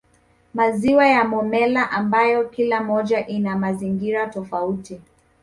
Maziwa ya Momella ambayo kila moja ina mazingira tofauti